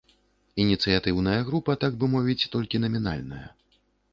Ініцыятыўная група, так бы мовіць, толькі намінальная.